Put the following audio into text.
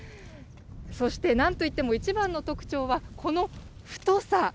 そしてなんといっても一番の特徴は、この太さ。